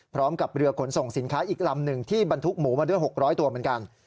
พร้อมกับเรือขนส่งสินค้าอีกลำหนึ่งที่บรรทุกหมูมาด้วย๖๐๐ตัวเหมือนกัน